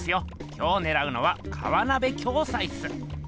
今日ねらうのは河鍋暁斎っす。